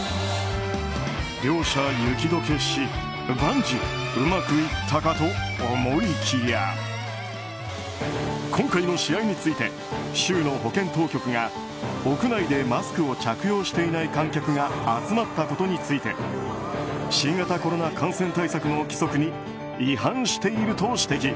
両者雪解けし万事うまくいったかと思いきや今回の試合について州の保健当局が屋内でマスクを着用していない観客が集まったことについて新型コロナ感染対策の規則に違反していると指摘。